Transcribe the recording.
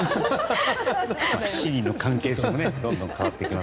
７人の関係性もどんどん変わっていきます。